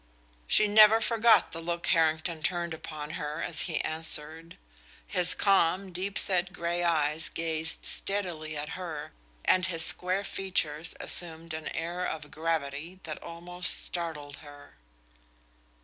She never forgot the look Harrington turned upon her as he answered. His calm, deep set gray eyes gazed steadily at her, and his square features assumed an air of gravity that almost startled her.